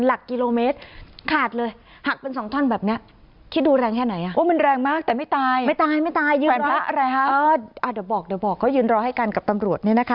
เดี๋ยวบอกเดี๋ยวบอกก็ยืนรอให้กันกับตำรวจเนี่ยนะคะ